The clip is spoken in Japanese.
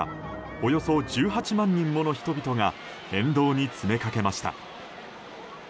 およそ１８万人もの人々が沿道に詰めかけました。